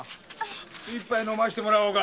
一杯飲ませてもらおうか。